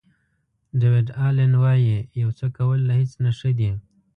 ډیویډ الین وایي یو څه کول له هیڅ نه ښه دي.